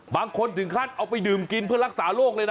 บางคนถึงขั้นเอาไปดื่มกินเพื่อรักษาโรคเลยนะ